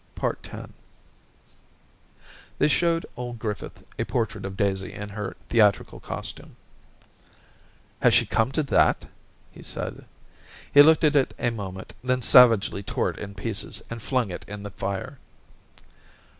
256 Orientations X They showed old Griffith a portrait of Daisy in her theatrical costume. * Has she come to that ?' he said. He looked at it a moment, then savagely tore it in pieces and flung it in the fire.